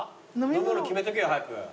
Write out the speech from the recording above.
飲み物決めとけよ早く。